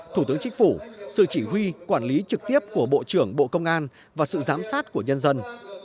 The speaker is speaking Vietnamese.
thủ tướng chính phủ sự chỉ huy quản lý trực tiếp của bộ trưởng bộ công an và sự giám sát của nhân dân